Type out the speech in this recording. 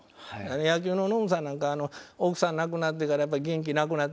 野球のノムさんなんか奥さん亡くなってからやっぱり元気なくなってね。